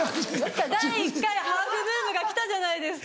第１回ハーフブームがきたじゃないですか。